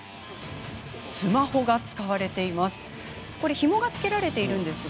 スマホが使われています。